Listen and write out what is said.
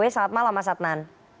selamat malam mas adnan